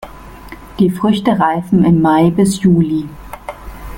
Die Früchte reifen im Mai bis Juli.